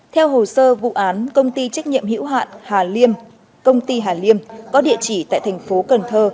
theo hồ sơ vụ án công ty trách nhiệm hữu hạn hà liêm công ty hà liêm có địa chỉ tại thành phố cần thơ